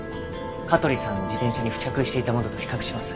香取さんの自転車に付着していたものと比較します。